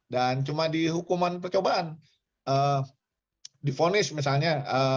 dan cuma di hukuman percobaan di vonis misalnya